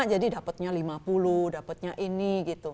jadi dapetnya lima puluh dapetnya ini gitu